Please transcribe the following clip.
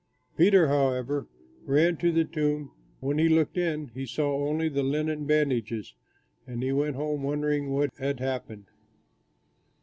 Peter, however, ran to the tomb, but when he looked in he saw only the linen bandages; and he went home wondering what had happened.